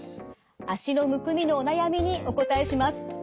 脚のむくみのお悩みにお答えします。